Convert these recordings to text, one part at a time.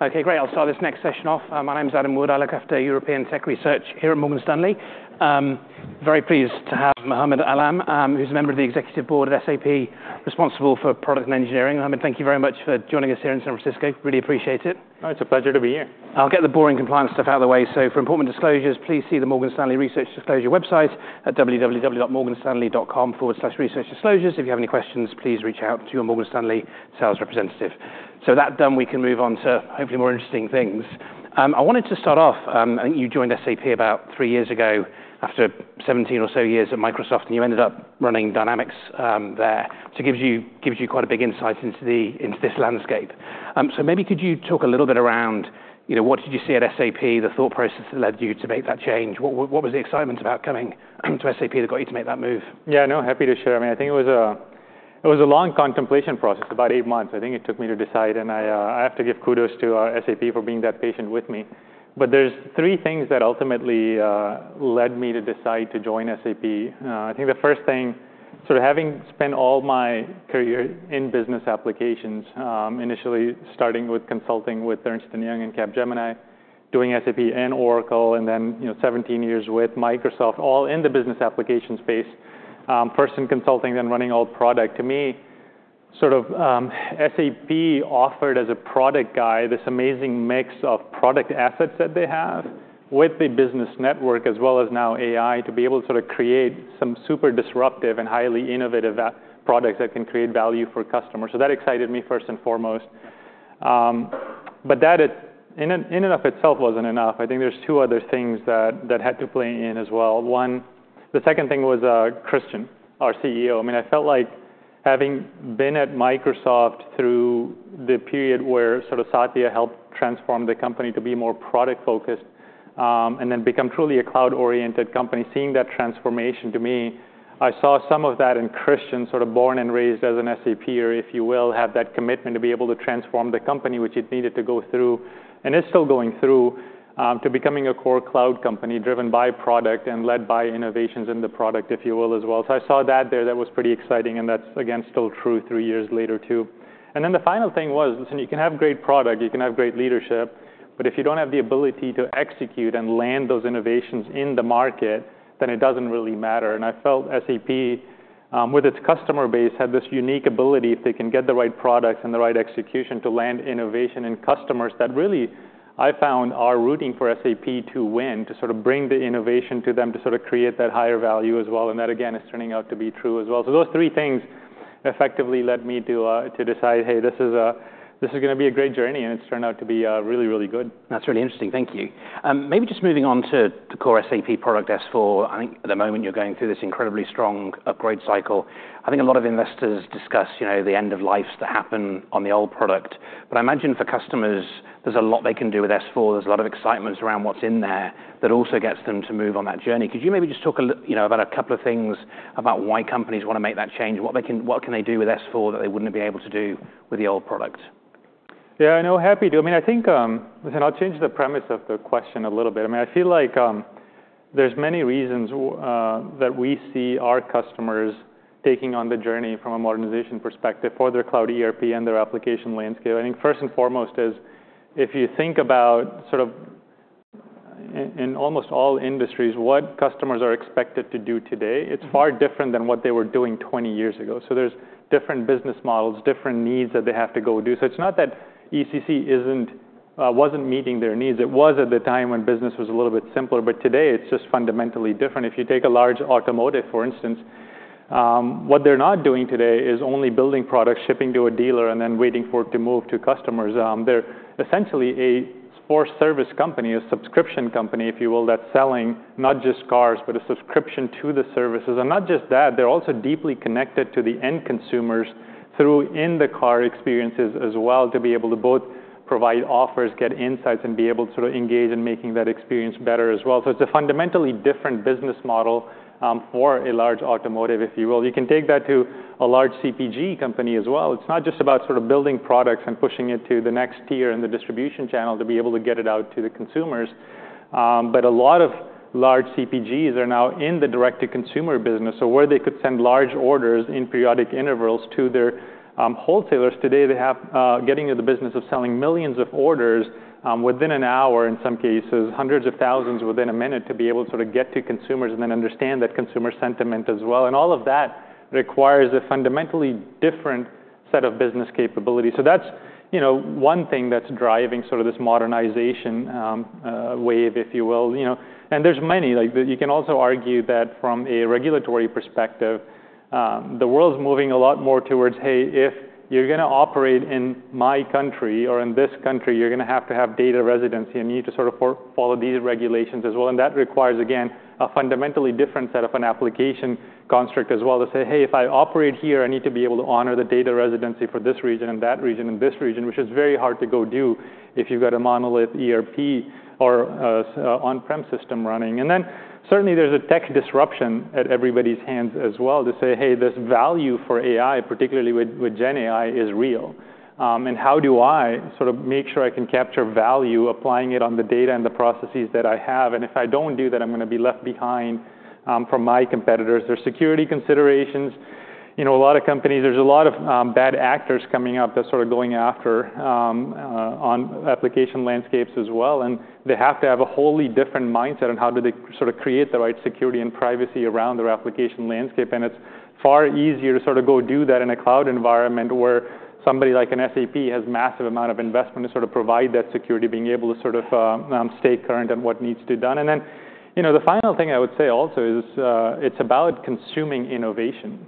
Okay, great. I'll start this next session off. My name's Adam Wood. I look after European tech research here at Morgan Stanley. Very pleased to have Muhammad Alam, who's a member of the executive board at SAP responsible for product and engineering. Muhammad, thank you very much for joining us here in San Francisco. Really appreciate it. It's a pleasure to be here. I'll get the boring compliance stuff out of the way. For important disclosures, please see the Morgan Stanley Research Disclosure website at www.morganstanley.com/researchdisclosures. If you have any questions, please reach out to your Morgan Stanley sales representative. With that done, we can move on to hopefully more interesting things. I wanted to start off, I think you joined SAP about three years ago after 17 or so years at Microsoft, and you ended up running Dynamics there. It gives you quite a big insight into this landscape. Maybe could you talk a little bit around what did you see at SAP, the thought process that led you to make that change? What was the excitement about coming to SAP that got you to make that move? Yeah, no, happy to share. I mean, I think it was a long contemplation process, about eight months. I think it took me to decide, and I have to give kudos to SAP for being that patient with me. But there's three things that ultimately led me to decide to join SAP. I think the first thing, having spent all my career in business applications, initially starting with consulting with Ernst & Young and Capgemini, doing SAP and Oracle, and then 17 years with Microsoft, all in the business application space, first in consulting, then running all product. To me, SAP offered as a product guy this amazing mix of product assets that they have with the business network, as well as now AI, to be able to create some super disruptive and highly innovative products that can create value for customers. So that excited me first and foremost. But that in and of itself wasn't enough. I think there's two other things that had to play in as well. The second thing was Christian, our CEO. I mean, I felt like having been at Microsoft through the period where Satya helped transform the company to be more product-focused and then become truly a cloud-oriented company, seeing that transformation, to me, I saw some of that in Christian, born and raised as an SAP ERP, if you will, have that commitment to be able to transform the company, which it needed to go through and is still going through, to becoming a core cloud company driven by product and led by innovations in the product, if you will, as well. So I saw that there. That was pretty exciting. And that's, again, still true three years later, too. And then the final thing was, listen, you can have great product, you can have great leadership, but if you don't have the ability to execute and land those innovations in the market, then it doesn't really matter. And I felt SAP, with its customer base, had this unique ability if they can get the right products and the right execution to land innovation in customers that really, I found, are rooting for SAP to win, to bring the innovation to them, to create that higher value as well. And that, again, is turning out to be true as well. So those three things effectively led me to decide, hey, this is going to be a great journey. And it's turned out to be really, really good. That's really interesting. Thank you. Maybe just moving on to the core SAP product, S/4HANA, I think at the moment you're going through this incredibly strong upgrade cycle. I think a lot of investors discuss the end of lives that happen on the old product. But I imagine for customers, there's a lot they can do with S/4HANA. There's a lot of excitement around what's in there that also gets them to move on that journey. Could you maybe just talk about a couple of things about why companies want to make that change, what can they do with S/4HANA that they wouldn't be able to do with the old product? Yeah, I know. Happy to. I think I'll change the premise of the question a little bit. I feel like there's many reasons that we see our customers taking on the journey from a modernization perspective for their cloud ERP and their application landscape. I think first and foremost is if you think about in almost all industries what customers are expected to do today. It's far different than what they were doing 20 years ago. So there's different business models, different needs that they have to go do. So it's not that ECC wasn't meeting their needs. It was at the time when business was a little bit simpler. But today, it's just fundamentally different. If you take a large automotive, for instance, what they're not doing today is only building products, shipping to a dealer, and then waiting for it to move to customers. They're essentially a for-service company, a subscription company, if you will, that's selling not just cars, but a subscription to the services. And not just that, they're also deeply connected to the end consumers through in-the-car experiences as well to be able to both provide offers, get insights, and be able to engage in making that experience better as well. So it's a fundamentally different business model for a large automotive, if you will. You can take that to a large CPG company as well. It's not just about building products and pushing it to the next tier in the distribution channel to be able to get it out to the consumers. But a lot of large CPGs are now in the direct-to-consumer business, so where they could send large orders in periodic intervals to their wholesalers. Today, they have getting into the business of selling millions of orders within an hour, in some cases, hundreds of thousands within a minute to be able to get to consumers and then understand that consumer sentiment as well. And all of that requires a fundamentally different set of business capabilities. So that's one thing that's driving this modernization wave, if you will. And there's many. You can also argue that from a regulatory perspective, the world's moving a lot more towards, hey, if you're going to operate in my country or in this country, you're going to have to have data residency. And you need to follow these regulations as well. And that requires, again, a fundamentally different set of an application construct as well to say, hey, if I operate here, I need to be able to honor the data residency for this region and that region and this region, which is very hard to go do if you've got a monolith ERP or on-prem system running. And then certainly, there's a tech disruption at everybody's hands as well to say, hey, this value for AI, particularly with GenAI, is real. And how do I make sure I can capture value, applying it on the data and the processes that I have? And if I don't do that, I'm going to be left behind from my competitors. There's security considerations. A lot of companies, there's a lot of bad actors coming up that's going after on application landscapes as well. And they have to have a wholly different mindset on how do they create the right security and privacy around their application landscape. And it's far easier to go do that in a cloud environment where somebody like an SAP has a massive amount of investment to provide that security, being able to stay current on what needs to be done. And then the final thing I would say also is it's about consuming innovation.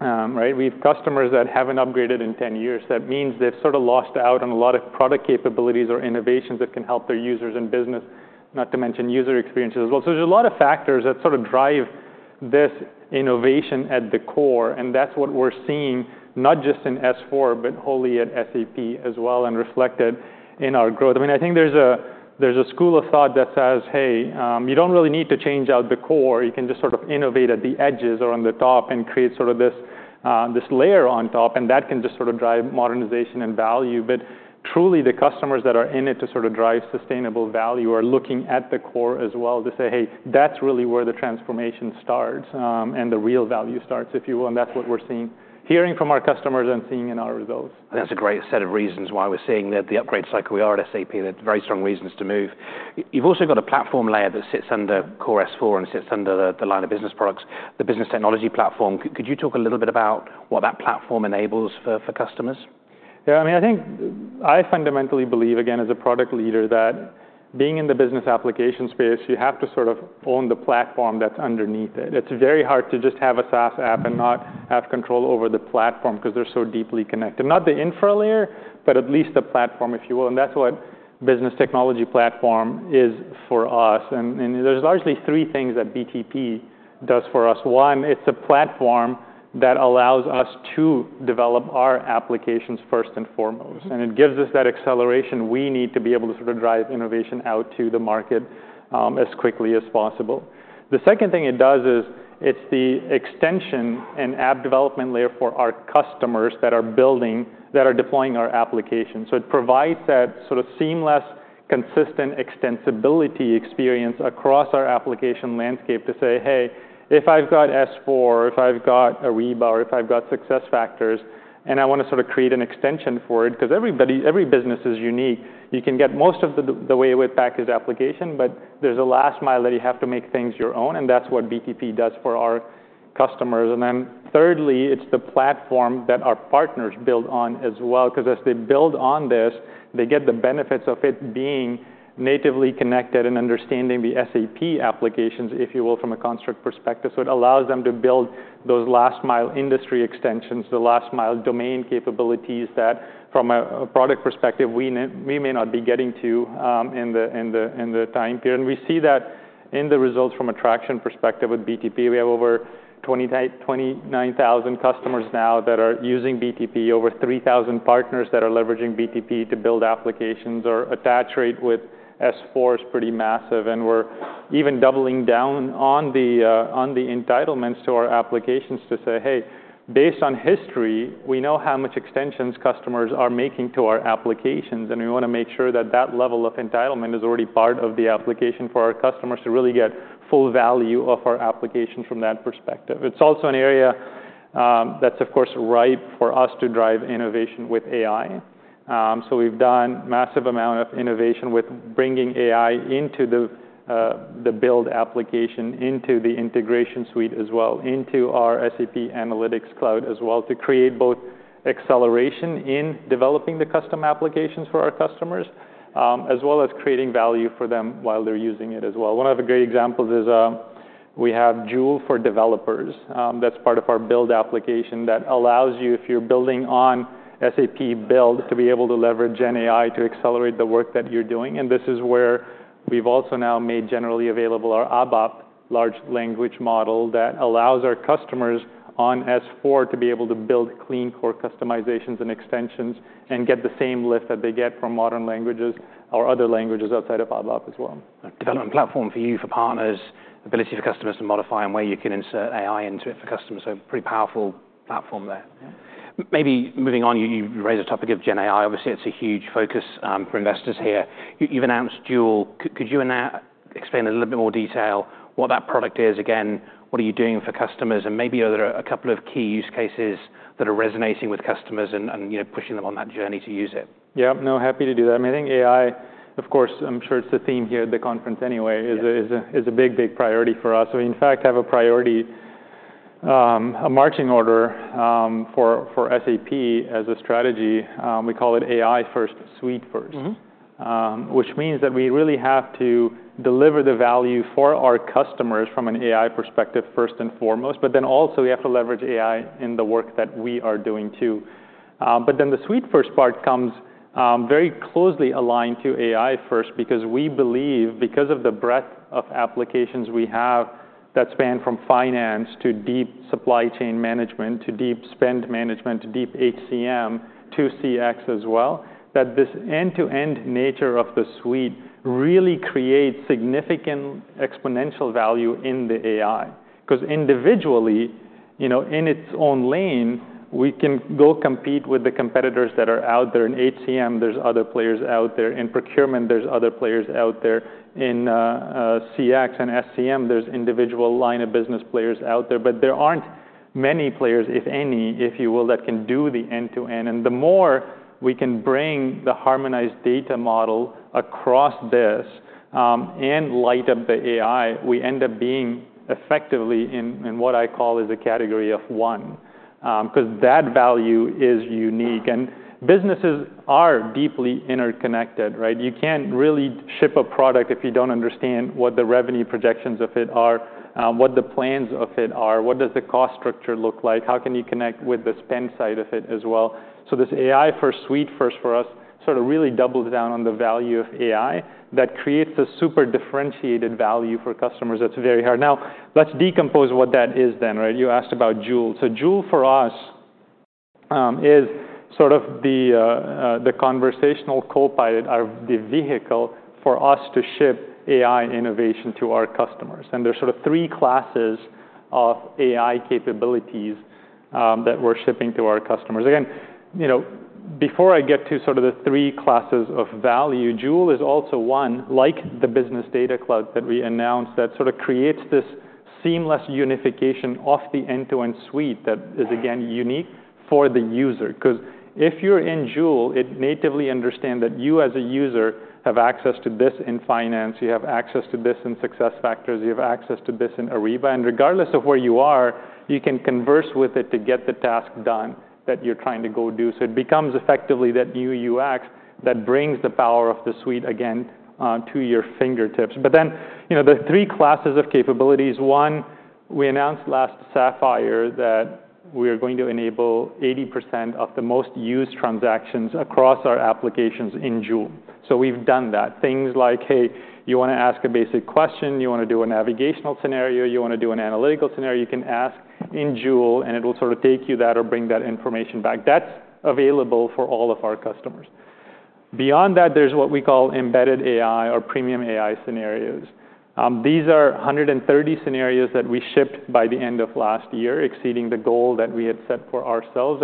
We have customers that haven't upgraded in 10 years. That means they've lost out on a lot of product capabilities or innovations that can help their users and business, not to mention user experiences as well. So there's a lot of factors that drive this innovation at the core. And that's what we're seeing, not just in S/4HANA, but wholly at SAP as well and reflected in our growth. I think there's a school of thought that says, hey, you don't really need to change out the core. You can just innovate at the edges or on the top and create this layer on top, and that can just drive modernization and value, but truly, the customers that are in it to drive sustainable value are looking at the core as well to say, hey, that's really where the transformation starts and the real value starts, if you will, and that's what we're hearing from our customers and seeing in our results. That's a great set of reasons why we're seeing that the upgrade cycle we are at SAP that very strong reasons to move. You've also got a platform layer that sits under core S/4HANA and sits under the line of business products, the Business Technology Platform. Could you talk a little bit about what that platform enables for customers? Yeah, I think I fundamentally believe, again, as a product leader that being in the business application space, you have to own the platform that's underneath it. It's very hard to just have a SaaS app and not have control over the platform because they're so deeply connected. Not the infra layer, but at least the platform, if you will. And that's what Business Technology Platform is for us. And there's largely three things that BTP does for us. One, it's a platform that allows us to develop our applications first and foremost. And it gives us that acceleration we need to be able to drive innovation out to the market as quickly as possible. The second thing it does is it's the extension and app development layer for our customers that are deploying our applications. So it provides that seamless, consistent extensibility experience across our application landscape to say, hey, if I've got S/4HANA, if I've got Ariba, or if I've got SuccessFactors, and I want to create an extension for it because every business is unique. You can get most of the way with packaged application, but there's a last mile that you have to make things your own. And that's what BTP does for our customers. And then thirdly, it's the platform that our partners build on as well because as they build on this, they get the benefits of it being natively connected and understanding the SAP applications, if you will, from a construct perspective. So it allows them to build those last mile industry extensions, the last mile domain capabilities that from a product perspective, we may not be getting to in the time period. And we see that in the results from a traction perspective with BTP. We have over 29,000 customers now that are using BTP, over 3,000 partners that are leveraging BTP to build applications. Our attach rate with S/4HANA is pretty massive. And we're even doubling down on the entitlements to our applications to say, hey, based on history, we know how much extensions customers are making to our applications. And we want to make sure that that level of entitlement is already part of the application for our customers to really get full value of our applications from that perspective. It's also an area that's, of course, ripe for us to drive innovation with AI. So we've done a massive amount of innovation with bringing AI into the SAP Build application, into the integration suite as well, into our SAP Analytics Cloud as well to create both acceleration in developing the custom applications for our customers as well as creating value for them while they're using it as well. One of the great examples is we have Joule for Developers. That's part of our SAP Build application that allows you, if you're building on SAP Build, to be able to leverage GenAI to accelerate the work that you're doing. And this is where we've also now made generally available our ABAP large language model that allows our customers on S/4HANA to be able to build Clean Core customizations and extensions and get the same lift that they get from modern languages or other languages outside of ABAP as well. Development platform for you, for partners, ability for customers to modify and where you can insert AI into it for customers. So pretty powerful platform there. Maybe moving on, you raised the topic of GenAI. Obviously, it's a huge focus for investors here. You've announced Joule. Could you explain in a little bit more detail what that product is? Again, what are you doing for customers? And maybe are there a couple of key use cases that are resonating with customers and pushing them on that journey to use it? Yeah, no, happy to do that. I mean, I think AI, of course, I'm sure it's the theme here at the conference anyway, is a big, big priority for us. We, in fact, have a priority, a marching order for SAP as a strategy. We call it AI first, suite first, which means that we really have to deliver the value for our customers from an AI perspective first and foremost. But then also, we have to leverage AI in the work that we are doing, too. But then the suite first part comes very closely aligned to AI first because we believe, because of the breadth of applications we have that span from finance to deep supply chain management to deep spend management to deep HCM to CX as well, that this end-to-end nature of the suite really creates significant exponential value in the AI. Because individually, in its own lane, we can go compete with the competitors that are out there. In HCM, there's other players out there. In procurement, there's other players out there. In CX and SCM, there's individual line of business players out there. But there aren't many players, if any, if you will, that can do the end-to-end. And the more we can bring the harmonized data model across this and light up the AI, we end up being effectively in what I call is a category of one because that value is unique. And businesses are deeply interconnected. You can't really ship a product if you don't understand what the revenue projections of it are, what the plans of it are, what does the cost structure look like, how can you connect with the spend side of it as well. This AI first, suite first for us really doubles down on the value of AI that creates a super differentiated value for customers that's very hard. Now, let's decompose what that is then. You asked about Joule. So Joule for us is the conversational copilot, the vehicle for us to ship AI innovation to our customers. And there's three classes of AI capabilities that we're shipping to our customers. Again, before I get to the three classes of value, Joule is also one, like the business data cloud that we announced, that creates this seamless unification of the end-to-end suite that is, again, unique for the user. Because if you're in Joule, it natively understands that you as a user have access to this in finance. You have access to this in SuccessFactors. You have access to this in Ariba. Regardless of where you are, you can converse with it to get the task done that you're trying to go do. It becomes effectively that new UX that brings the power of the suite again to your fingertips. Then the three classes of capabilities, one, we announced last SAP Sapphire that we are going to enable 80% of the most used transactions across our applications in Joule. We've done that. Things like, hey, you want to ask a basic question, you want to do a navigational scenario, you want to do an analytical scenario, you can ask in Joule, and it will take you that or bring that information back. That's available for all of our customers. Beyond that, there's what we call embedded AI or premium AI scenarios. These are 130 scenarios that we shipped by the end of last year, exceeding the goal that we had set for ourselves.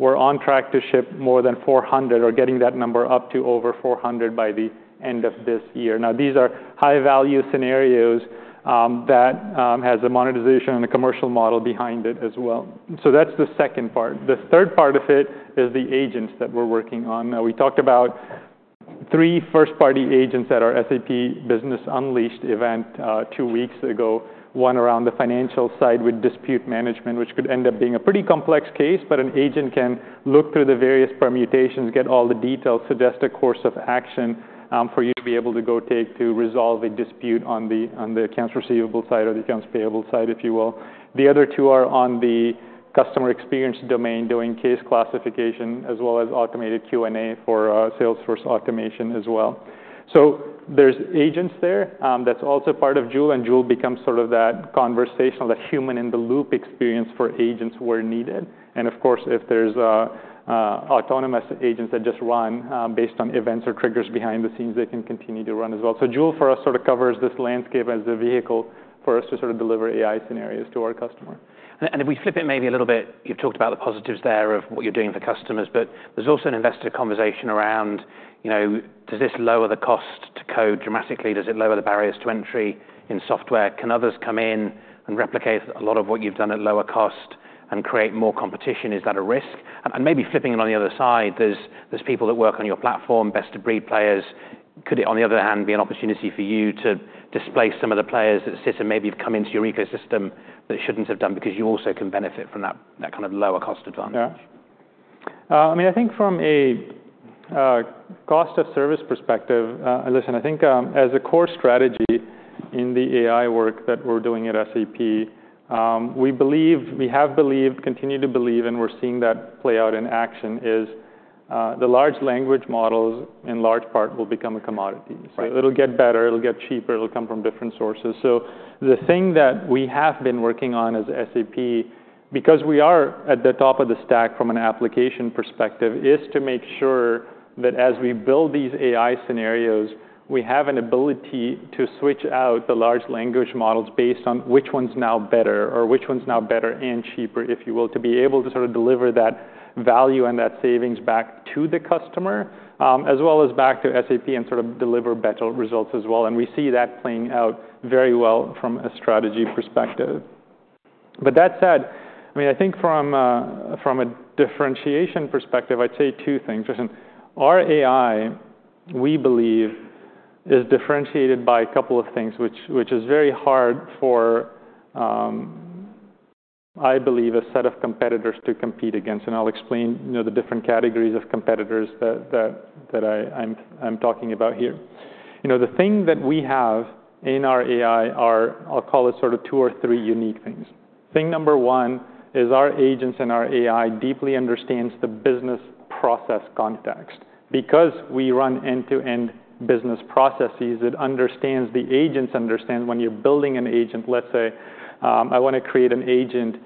We're on track to ship more than 400 or getting that number up to over 400 by the end of this year. Now, these are high-value scenarios that have a monetization and a commercial model behind it as well. That's the second part. The third part of it is the agents that we're working on. Now, we talked about three first-party agents at our SAP Business Unleashed event two weeks ago, one around the financial side with dispute management, which could end up being a pretty complex case. But an agent can look through the various permutations, get all the details, suggest a course of action for you to be able to go take to resolve a dispute on the accounts receivable side or the accounts payable side, if you will. The other two are on the customer experience domain, doing case classification as well as automated Q&A for salesforce automation as well. So there's agents there. That's also part of Joule. And Joule becomes that conversational, that human-in-the-loop experience for agents where needed. And of course, if there's autonomous agents that just run based on events or triggers behind the scenes, they can continue to run as well. So Joule for us covers this landscape as a vehicle for us to deliver AI scenarios to our customer. If we flip it maybe a little bit, you've talked about the positives there of what you're doing for customers. There's also an investor conversation around, does this lower the cost to code dramatically? Does it lower the barriers to entry in software? Can others come in and replicate a lot of what you've done at lower cost and create more competition? Is that a risk? Maybe flipping it on the other side, there's people that work on your platform, best-of-breed players. Could it, on the other hand, be an opportunity for you to displace some of the players that sit and maybe have come into your ecosystem that shouldn't have done because you also can benefit from that kind of lower-cost advantage? Yeah. I think from a cost-of-service perspective, listen, I think as a core strategy in the AI work that we're doing at SAP, we have believed, continue to believe, and we're seeing that play out in action, is the large language models in large part will become a commodity. So it'll get better. It'll get cheaper. It'll come from different sources. So the thing that we have been working on as SAP, because we are at the top of the stack from an application perspective, is to make sure that as we build these AI scenarios, we have an ability to switch out the large language models based on which one's now better or which one's now better and cheaper, if you will, to be able to deliver that value and that savings back to the customer, as well as back to SAP and deliver better results as well. And we see that playing out very well from a strategy perspective. But that said, I think from a differentiation perspective, I'd say two things. Listen, our AI, we believe, is differentiated by a couple of things, which is very hard for, I believe, a set of competitors to compete against. And I'll explain the different categories of competitors that I'm talking about here. The thing that we have in our AI are, I'll call it two or three unique things. Thing number one is our agents and our AI deeply understands the business process context. Because we run end-to-end business processes, it understands the agents, understands when you're building an agent. Let's say I want to create an agent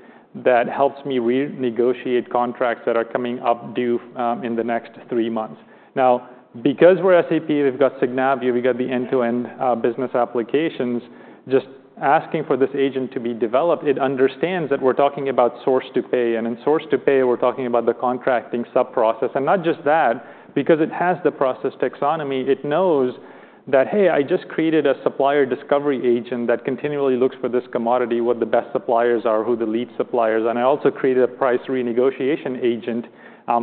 that helps me renegotiate contracts that are coming up due in the next three months. Now, because we're SAP, we've got Signavio, we've got the end-to-end business applications. Just asking for this agent to be developed, it understands that we're talking about source to pay, and in source to pay, we're talking about the contracting sub-process, not just that, because it has the process taxonomy. It knows that, hey, I just created a supplier discovery agent that continually looks for this commodity, what the best suppliers are, who the lead suppliers are, and I also created a price renegotiation agent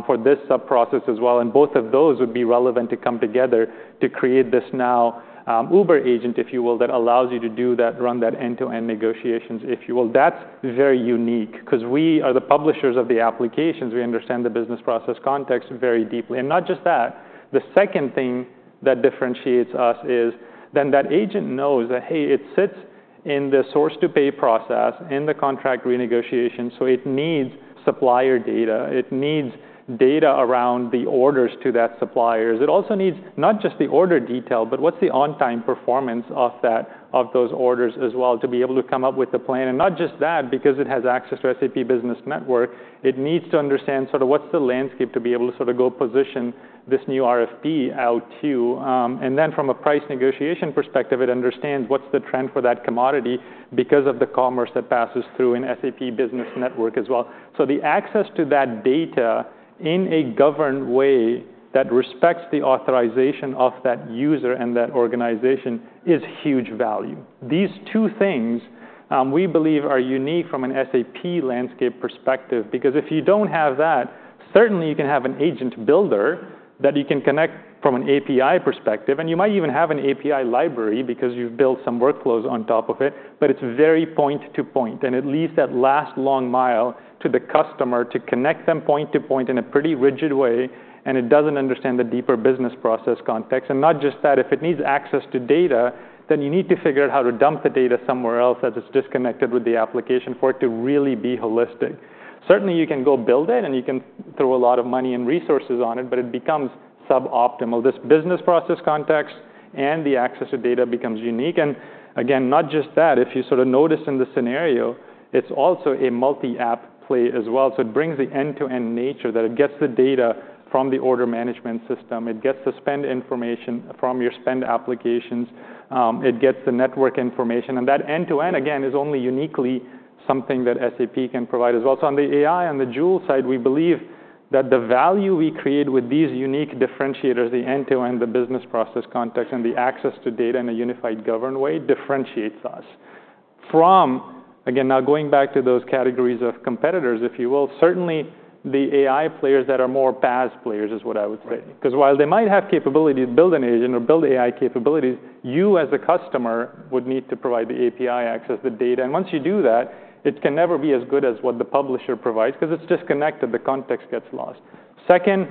for this sub-process as well. Both of those would be relevant to come together to create this now uber agent, if you will, that allows you to do that, run that end-to-end negotiations, if you will. That's very unique because we are the publishers of the applications. We understand the business process context very deeply, and not just that. The second thing that differentiates us is then that agent knows that, hey, it sits in the source to pay process, in the contract renegotiation. So it needs supplier data. It needs data around the orders to those suppliers. It also needs not just the order detail, but what's the on-time performance of those orders as well to be able to come up with the plan. And not just that, because it has access to SAP Business Network, it needs to understand what's the landscape to be able to go position this new RFP out to. And then from a price negotiation perspective, it understands what's the trend for that commodity because of the commerce that passes through in SAP Business Network as well. So the access to that data in a governed way that respects the authorization of that user and that organization is huge value. These two things we believe are unique from an SAP landscape perspective. Because if you don't have that, certainly you can have an agent builder that you can connect from an API perspective, and you might even have an API library because you've built some workflows on top of it, but it's very point-to-point, and it leaves that last long mile to the customer to connect them point-to-point in a pretty rigid way, and it doesn't understand the deeper business process context, and not just that, if it needs access to data, then you need to figure out how to dump the data somewhere else that is disconnected with the application for it to really be holistic. Certainly, you can go build it, and you can throw a lot of money and resources on it, but it becomes suboptimal. This business process context and the access to data becomes unique. And again, not just that, if you notice in the scenario, it's also a multi-app play as well. So it brings the end-to-end nature that it gets the data from the order management system. It gets the spend information from your spend applications. It gets the network information. And that end-to-end, again, is only uniquely something that SAP can provide as well. So on the AI, on the Joule side, we believe that the value we create with these unique differentiators, the end-to-end, the business process context, and the access to data in a unified, governed way differentiates us from, again, now going back to those categories of competitors, if you will, certainly the AI players that are more PaaS players is what I would say. Because while they might have capability to build an agent or build AI capabilities, you as a customer would need to provide the API access, the data, and once you do that, it can never be as good as what the publisher provides because it's disconnected. The context gets lost. Second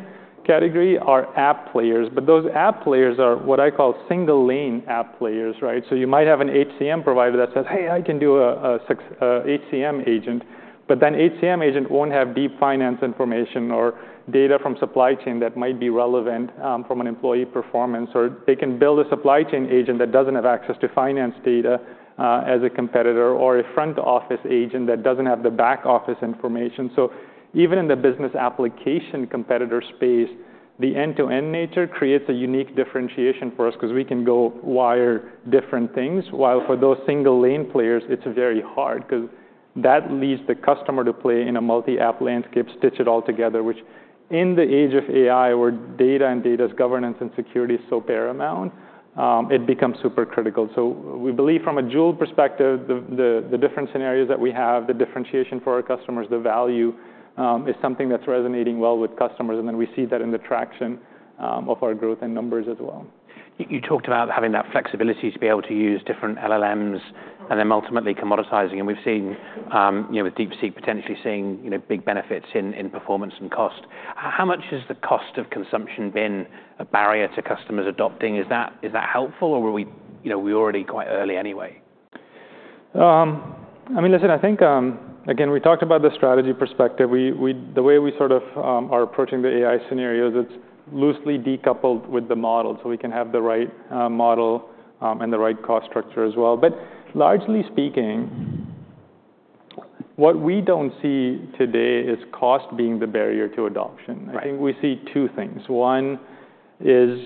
category are app players, but those app players are what I call single-lane app players, so you might have an HCM provider that says, hey, I can do an HCM agent. But that HCM agent won't have deep finance information or data from supply chain that might be relevant from an employee performance. Or they can build a supply chain agent that doesn't have access to finance data as a competitor or a front office agent that doesn't have the back office information. So even in the business application competitor space, the end-to-end nature creates a unique differentiation for us because we can go wire different things. While for those single-lane players, it's very hard because that leads the customer to play in a multi-app landscape, stitch it all together. Which in the age of AI, where data and data's governance and security is so paramount, it becomes super critical. So we believe from a Joule perspective, the different scenarios that we have, the differentiation for our customers, the value is something that's resonating well with customers. And then we see that in the traction of our growth and numbers as well. You talked about having that flexibility to be able to use different LLMs and then ultimately commoditizing. And we've seen with DeepSeek potentially seeing big benefits in performance and cost. How much has the cost of consumption been a barrier to customers adopting? Is that helpful? Or were we already quite early anyway? Listen, I think, again, we talked about the strategy perspective. The way we are approaching the AI scenarios, it's loosely decoupled with the model. So we can have the right model and the right cost structure as well. But largely speaking, what we don't see today is cost being the barrier to adoption. I think we see two things. One is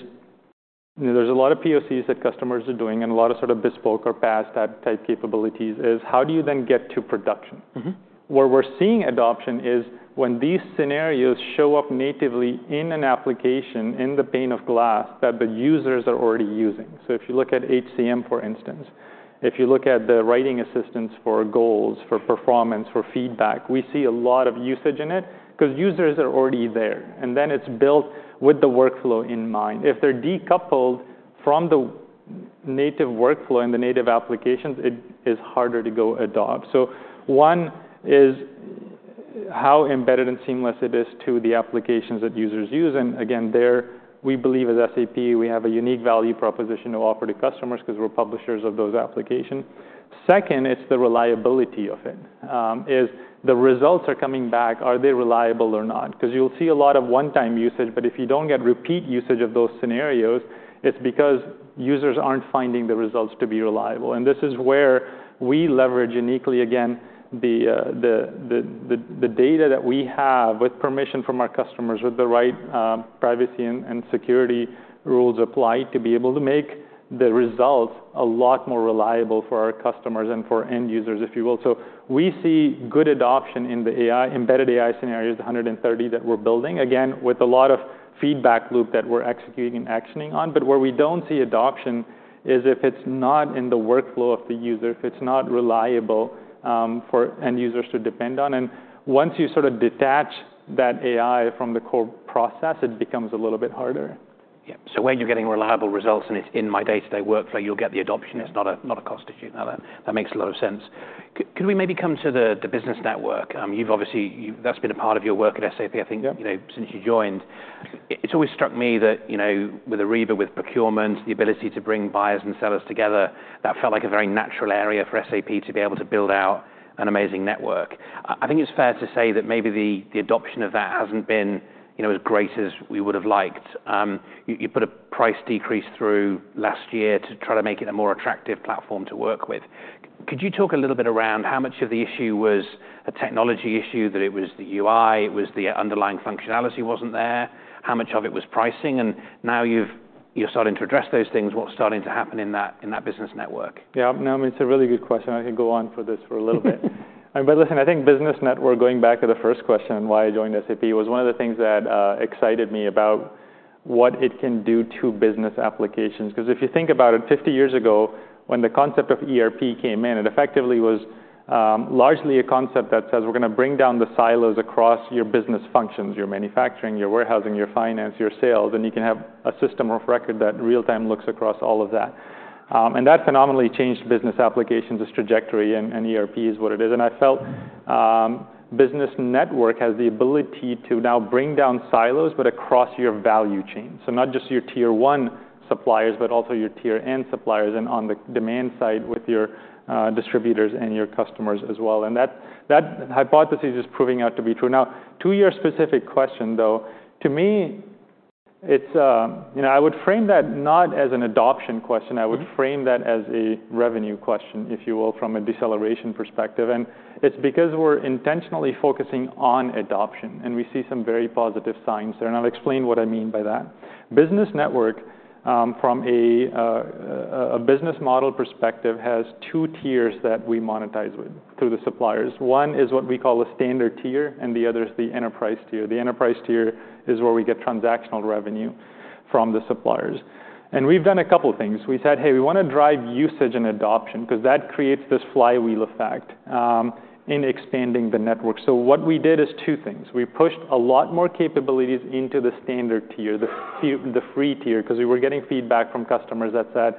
there's a lot of POCs that customers are doing and a lot of bespoke or PaaS type capabilities is how do you then get to production? Where we're seeing adoption is when these scenarios show up natively in an application in the pane of glass that the users are already using. So if you look at HCM, for instance, if you look at the writing assistance for goals, for performance, for feedback, we see a lot of usage in it because users are already there. And then it's built with the workflow in mind. If they're decoupled from the native workflow and the native applications, it is harder to go adopt. So one is how embedded and seamless it is to the applications that users use. And again, there, we believe as SAP, we have a unique value proposition to offer to customers because we're publishers of those applications. Second, it's the reliability of it. The results are coming back. Are they reliable or not? Because you'll see a lot of one-time usage. But if you don't get repeat usage of those scenarios, it's because users aren't finding the results to be reliable. And this is where we leverage uniquely, again, the data that we have with permission from our customers, with the right privacy and security rules applied to be able to make the results a lot more reliable for our customers and for end users, if you will. So we see good adoption in the embedded AI scenarios, 130 that we're building, again, with a lot of feedback loop that we're executing and actioning on. But where we don't see adoption is if it's not in the workflow of the user, if it's not reliable for end users to depend on. And once you detach that AI from the core process, it becomes a little bit harder. Yeah. So when you're getting reliable results and it's in my day-to-day workflow, you'll get the adoption. It's not a cost issue. Now, that makes a lot of sense. Could we maybe come to the business network? That's been a part of your work at SAP, I think, since you joined. It's always struck me that with Ariba, with procurement, the ability to bring buyers and sellers together, that felt like a very natural area for SAP to be able to build out an amazing network. I think it's fair to say that maybe the adoption of that hasn't been as great as we would have liked. You put a price decrease through last year to try to make it a more attractive platform to work with. Could you talk a little bit around how much of the issue was a technology issue, that it was the UI, it was the underlying functionality wasn't there, how much of it was pricing? And now you're starting to address those things. What's starting to happen in that business network? Yeah. It's a really good question. I can go on for this for a little bit. But listen, I think business network, going back to the first question and why I joined SAP, was one of the things that excited me about what it can do to business applications. Because if you think about it, 50 years ago, when the concept of ERP came in, it effectively was largely a concept that says, we're going to bring down the silos across your business functions, your manufacturing, your warehousing, your finance, your sales. And you can have a system of record that real-time looks across all of that. And that phenomenally changed business applications' trajectory. And ERP is what it is. And I felt business network has the ability to now bring down silos, but across your value chain. So not just your tier-one suppliers, but also your tier-n suppliers and on the demand side with your distributors and your customers as well. And that hypothesis is proving out to be true. Now, to your specific question, though, to me, I would frame that not as an adoption question. I would frame that as a revenue question, if you will, from a deceleration perspective. And it's because we're intentionally focusing on adoption. And we see some very positive signs there. And I'll explain what I mean by that. Business network, from a business model perspective, has two tiers that we monetize through the suppliers. One is what we call a standard tier. And the other is the enterprise tier. The enterprise tier is where we get transactional revenue from the suppliers. And we've done a couple of things. We said, hey, we want to drive usage and adoption because that creates this flywheel effect in expanding the network. So what we did is two things. We pushed a lot more capabilities into the standard tier, the free tier, because we were getting feedback from customers that said,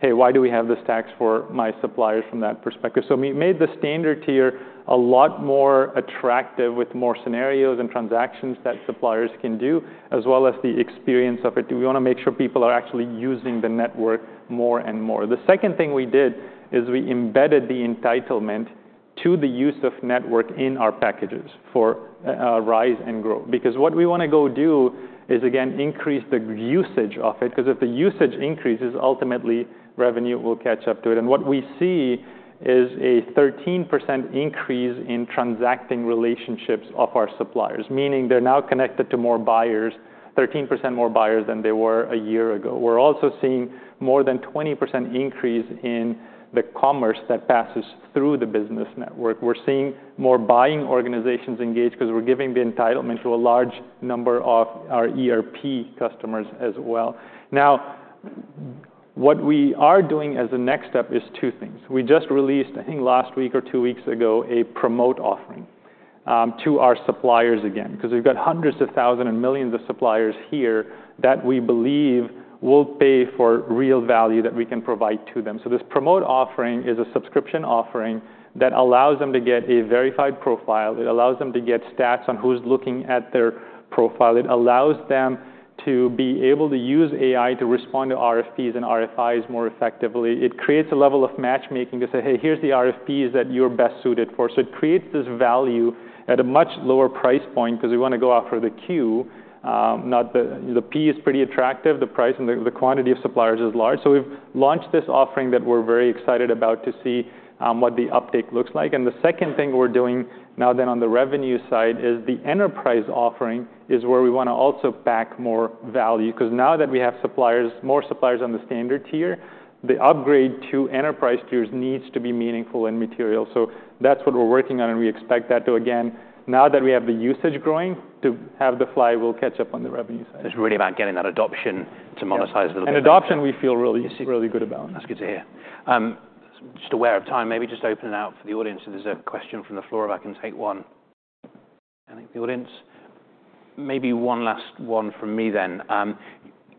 hey, why do we have this tax for my suppliers from that perspective? So we made the standard tier a lot more attractive with more scenarios and transactions that suppliers can do, as well as the experience of it. We want to make sure people are actually using the network more and more. The second thing we did is we embedded the entitlement to the use of network in our packages for RISE and GROW. Because what we want to go do is, again, increase the usage of it. Because if the usage increases, ultimately, revenue will catch up to it. What we see is a 13% increase in transacting relationships of our suppliers, meaning they're now connected to more buyers, 13% more buyers than they were a year ago. We're also seeing more than 20% increase in the commerce that passes through the business network. We're seeing more buying organizations engage because we're giving the entitlement to a large number of our ERP customers as well. Now, what we are doing as a next step is two things. We just released, I think last week or two weeks ago, a promote offering to our suppliers again. Because we've got hundreds of thousands and millions of suppliers here that we believe will pay for real value that we can provide to them. This promote offering is a subscription offering that allows them to get a verified profile. It allows them to get stats on who's looking at their profile. It allows them to be able to use AI to respond to RFPs and RFIs more effectively. It creates a level of matchmaking to say, hey, here's the RFPs that you're best suited for. So it creates this value at a much lower price point because we want to go after the queue. The P is pretty attractive. The price and the quantity of suppliers is large. So we've launched this offering that we're very excited about to see what the uptake looks like. And the second thing we're doing now then on the revenue side is the enterprise offering is where we want to also back more value. Because now that we have more suppliers on the standard tier, the upgrade to enterprise tiers needs to be meaningful and material. So that's what we're working on. We expect that to, again, now that we have the usage growing, to have the flywheel catch up on the revenue side. It's really about getting that adoption to monetize the. Adoption, we feel really good about. That's good to hear. Just aware of time, maybe just open it out for the audience. If there's a question from the floor, if I can take one. Maybe one last one from me then.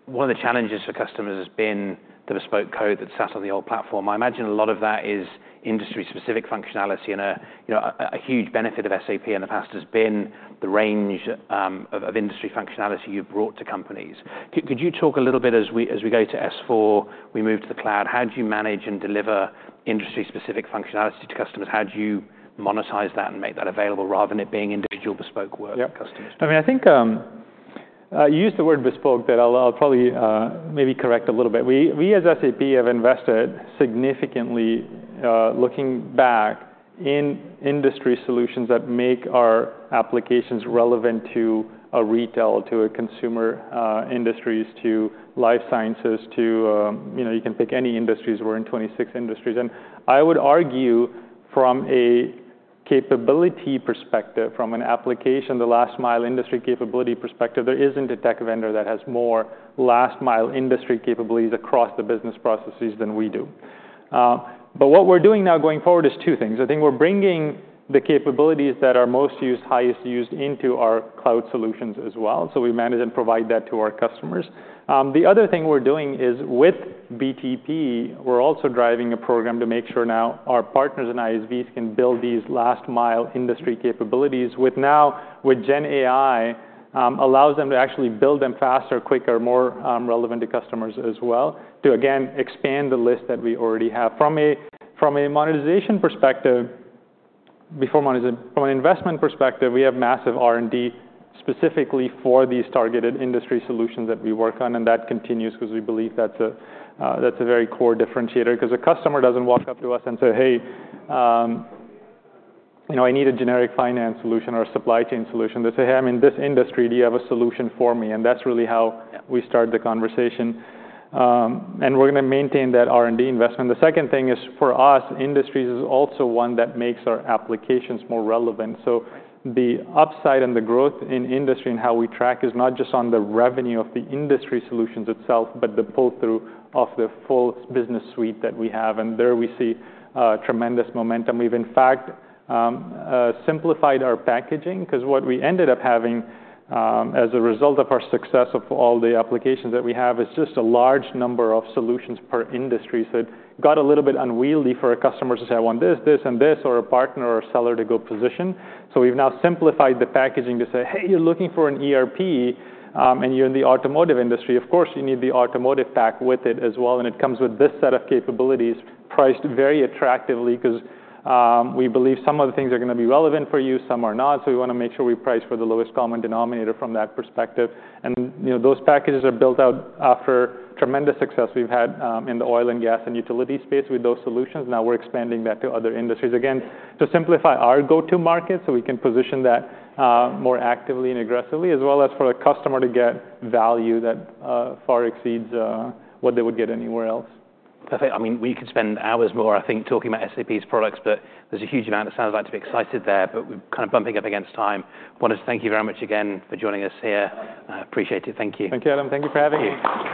One of the challenges for customers has been the bespoke code that's sat on the old platform. I imagine a lot of that is industry-specific functionality. And a huge benefit of SAP in the past has been the range of industry functionality you've brought to companies. Could you talk a little bit as we go to S/4HANA, we move to the cloud, how do you manage and deliver industry-specific functionality to customers? How do you monetize that and make that available rather than it being individual bespoke work for customers? I think you used the word bespoke, but I'll probably maybe correct a little bit. We, as SAP, have invested significantly looking back in industry solutions that make our applications relevant to a retail, to a consumer industries, to life sciences, to you can pick any industries. We're in 26 industries, and I would argue from a capability perspective, from an application, the last-mile industry capability perspective, there isn't a tech vendor that has more last-mile industry capabilities across the business processes than we do. But what we're doing now going forward is two things. I think we're bringing the capabilities that are most used, highest used into our cloud solutions as well. So we manage and provide that to our customers. The other thing we're doing is with BTP, we're also driving a program to make sure now our partners and ISVs can build these last-mile industry capabilities. Now with GenAI, it allows them to actually build them faster, quicker, more relevant to customers as well to, again, expand the list that we already have. From a monetization perspective, from an investment perspective, we have massive R&D specifically for these targeted industry solutions that we work on, and that continues because we believe that's a very core differentiator. Because a customer doesn't walk up to us and say, hey, I need a generic finance solution or a supply chain solution. They say, hey, I'm in this industry. Do you have a solution for me, and that's really how we start the conversation, and we're going to maintain that R&D investment. The second thing is for us, industry is also one that makes our applications more relevant. So the upside and the growth in industry and how we track is not just on the revenue of the industry solutions itself, but the pull-through of the full business suite that we have. And there we see tremendous momentum. We've, in fact, simplified our packaging. Because what we ended up having as a result of our success of all the applications that we have is just a large number of solutions per industry. So it got a little bit unwieldy for a customer to say, I want this, this, and this, or a partner or a seller to go position. So we've now simplified the packaging to say, hey, you're looking for an ERP and you're in the automotive industry. Of course, you need the automotive pack with it as well. And it comes with this set of capabilities priced very attractively. Because we believe some of the things are going to be relevant for you, some are not. So we want to make sure we price for the lowest common denominator from that perspective, and those packages are built out after tremendous success we've had in the oil and gas and utility space with those solutions. Now we're expanding that to other industries, again, to simplify our go-to market so we can position that more actively and aggressively, as well as for a customer to get value that far exceeds what they would get anywhere else. Perfect. I mean, we could spend hours more, I think, talking about SAP's products. But there's a huge amount of, sounds like, to be excited there. But we're kind of bumping up against time. Wanted to thank you very much again for joining us here. Appreciate it. Thank you. Thank you, Adam. Thank you for having me.